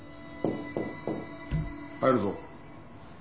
入るぞ。